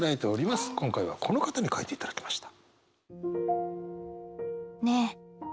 今回はこの方に書いていただきました。